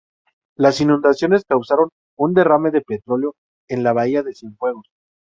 Las inundaciones causaron un derrame de petróleo en la bahía de Cienfuegos.